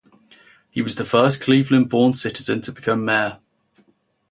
He was the first Cleveland-born citizen to become mayor.